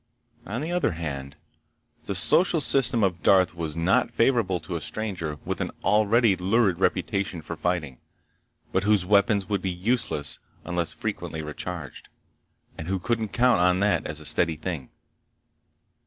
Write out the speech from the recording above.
On the other hand, the social system of Darth was not favorable to a stranger with an already lurid reputation for fighting, but whose weapons would be useless unless frequently recharged—and who couldn't count on that as a steady thing.